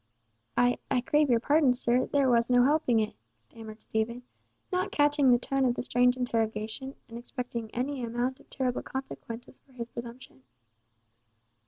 "I—I crave your pardon, sir, there was no helping it," stammered Stephen, not catching the tone of the strange interrogation, and expecting any amount of terrible consequences for his presumption.